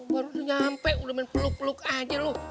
baru udah nyampe udah menpeluk peluk aja lo